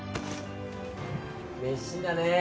熱心だねえ。